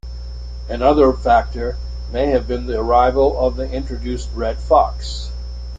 Another factor may have been the arrival of the introduced red fox.